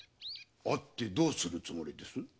会ってどうするつもりです？